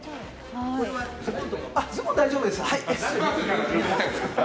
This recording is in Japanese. ズボンは大丈夫ですよ。